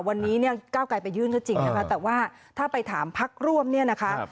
วันนี้เนี่ยก้าวไกลไปยื่นก็จริงนะคะแต่ว่าถ้าไปถามพักร่วมเนี่ยนะคะ